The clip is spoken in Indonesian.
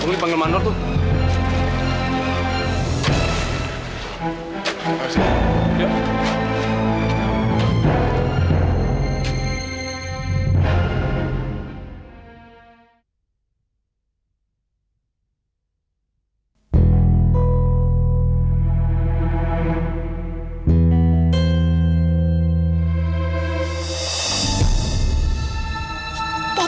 kamu dipanggil manor tuh